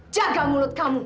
jaga mulut kamu